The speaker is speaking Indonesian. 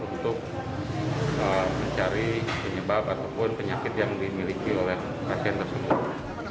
untuk mencari penyebab ataupun penyakit yang dimiliki oleh pasien tersebut